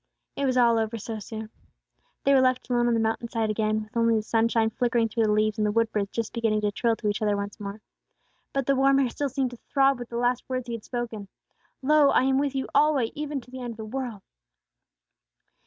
It was all over so soon. They were left alone on the mountain side again, with only the sunshine flickering through the leaves, and the wood birds just beginning to trill to each other once more. But the warm air seemed to still throb with the last words He had spoken: "Lo, I am with you alway, even unto the end of the world."